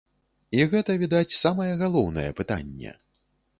І гэта, відаць, самае галоўнае пытанне.